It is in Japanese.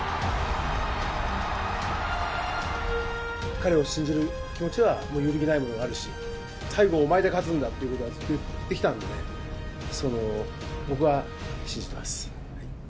彼を信じる気持ちは揺るぎないものがあるし、最後、お前で勝つんだってことはずっと言ってきたんでね、僕は信じてます。